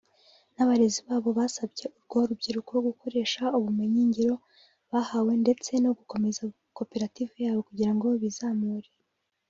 n’abarezi babo basabye urwo rubyiruko gukoresha ubumenyi ngiro bahawe ndetse no gukomeza koperative yabo kugirango bizamure